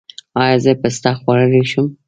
ایا زه پسته خوړلی شم؟